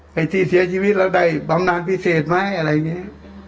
ใครที่เสียชีวิตเราได้บำนานพิเศษไหมอะไรเงี้ย